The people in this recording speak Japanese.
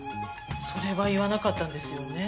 それは言わなかったんですよね